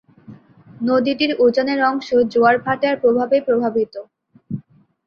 নদীটির উজানের অংশ জোয়ার ভাটার প্রভাবে প্রভাবিত।